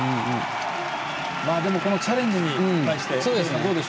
でも、チャレンジに対して。